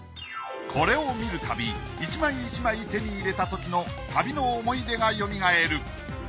これを見るたび一枚一枚手に入れたときの旅の思い出がよみがえる。